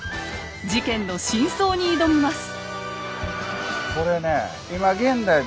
事件の真相に挑みます。